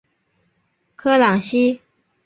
科朗西。